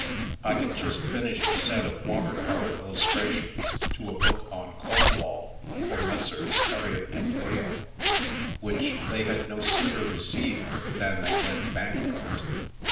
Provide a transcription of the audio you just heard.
I had just finished a set of water colour illustrations to a book on Cornwall for Messrs. Heriot & Dale, which they had no sooner re ceived than they went bankrupt.